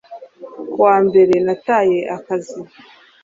Ku wa mbere nataye akazi